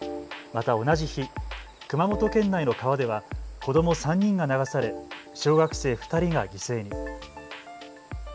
また同じ日、熊本県内の川では子ども３人が流され小学生２人が犠牲に。